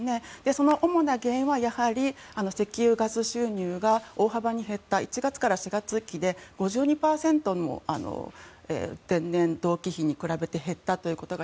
その主な原因はやはり、石油やガス収入が大幅に減った１月から４月期で５２％も前年同期比に比べて減ったということが